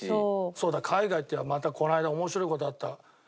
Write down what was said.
そうだ海外っていえばまたこの間面白い事あった。